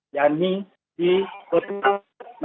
dan ini di rusunawa marunda